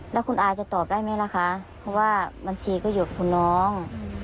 แล้วคุณอาจะตอบได้ไหมล่ะคะเพราะว่าบัญชีก็อยู่กับคุณน้อง